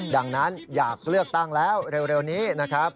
ดังนั้นอยากเลือกตั้งแล้วเร็วนี้นะครับ